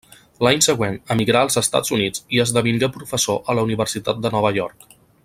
L'any següent emigrà als Estats Units i esdevingué professor a la Universitat de Nova York.